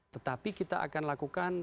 tetapi kita akan lakukan